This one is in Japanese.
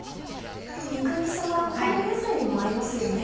肉みそは他の野菜にも合いますよね。